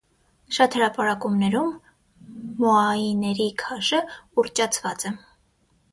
Շատ հրապարակումներում մոաիների քաշը ուռճացված է։